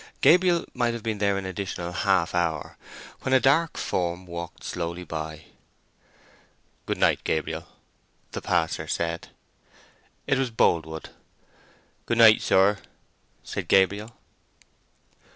Gabriel might have been there an additional half hour when a dark form walked slowly by. "Good night, Gabriel," the passer said. It was Boldwood. "Good night, sir," said Gabriel.